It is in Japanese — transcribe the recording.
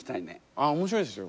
あ面白いですよ。